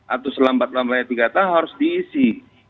atau selama empat lima tahun harus diisi